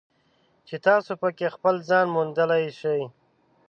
چې تاسو پکې خپل ځان موندلی شئ.